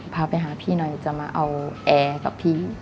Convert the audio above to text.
พาไปหาพี่หน่อยจะมาเอาแอร์กับพี่